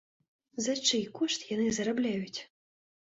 За чый кошт яны зарабляюць?